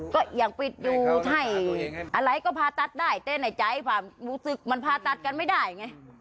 ก็ยังปิดอยู่ให้อะไรก็ผ่าตัดได้แต่ในใจความรู้สึกมันพาตัดกันไม่ได้ไง